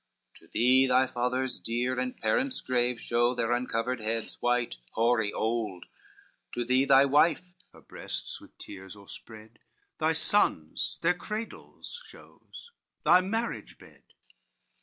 To thee thy fathers dear and parents grave Show their uncovered heads, white, hoary, old, To thee thy wife—her breasts with tears o'erspread— Thy sons, their cradles, shows, thy marriage bed."